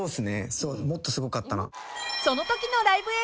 もっとすごかったな。